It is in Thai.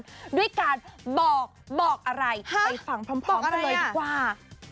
เราก็หน้ากากเปิดการบอกบอกอะไรไปฝังพร้อมกะเลยดีกว่า